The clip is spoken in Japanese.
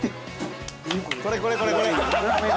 これこれこれこれ！